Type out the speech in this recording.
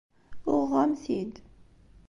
Uɣeɣ-am-t-id.